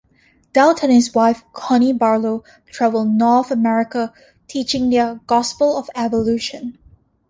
Dowd and his wife Connie Barlow travel North America, teaching their Gospel of Evolution.